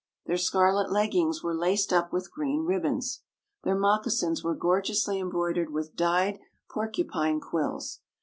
Their scarlet leggings were laced up with green ribbons. Their moccasins were gorgeously embroidered with dyed porcupine quills.